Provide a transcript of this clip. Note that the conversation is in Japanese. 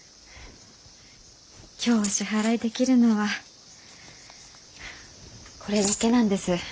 今日お支払いできるのはこれだけなんです。